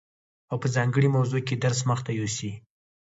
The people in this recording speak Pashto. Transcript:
او په ځانګړي موضوع کي درس مخته يوسي،